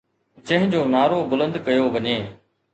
جنهن جو نعرو بلند ڪيو وڃي